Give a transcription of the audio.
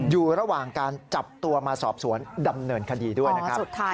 อยู่ระหว่างการจับตัวมาสอบสวนดำเนินคดีด้วยนะครับ